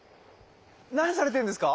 何されてるんですか？